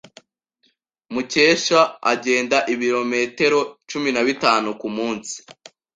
Mukesha agenda ibirometero cumi na bitanu kumunsi.